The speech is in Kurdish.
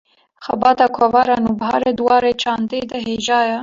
Xebata Kovara Nûbiharê, di warê çandê de hêja ye